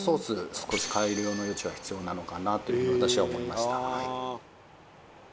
少し改良の余地が必要なのかなと私は思いました